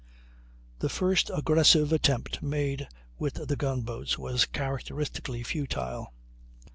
The first aggressive attempt made with the gun boats was characteristically futile.